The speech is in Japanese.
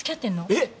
えっ？